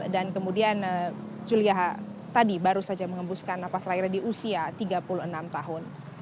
dan kemudian julia perez menerita penyakit kanker cervix sejak tahun dua ribu empat belas